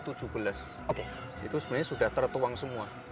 itu sebenarnya sudah tertuang semua